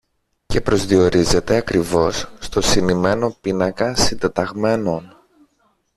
και προσδιορίζεται ακριβώς στο συνημμένο πίνακα συντεταγμένων